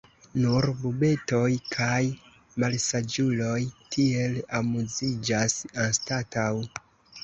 Nur bubetoj kaj malsaĝuloj tiel amuziĝas anstataŭ.